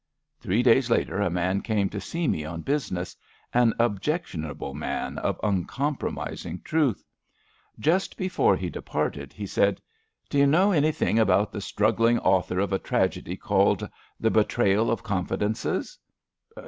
Three days later a man came to see me on busi nesSy an objectionable man of uncompromising truth. Just before he departed he said :D' you know anything about the struggling author of a tragedy called * The Betrayal of Confidences